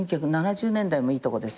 １９７０年代もいいとこですよ。